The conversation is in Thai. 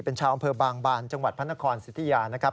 เป็นชาวอำเภอบางบานจังหวัดพระนครสิทธิยานะครับ